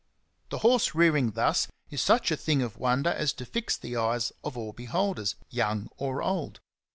The horse rearing thus is such a thing of wonder as to fix the eyes of all beholders, young or old.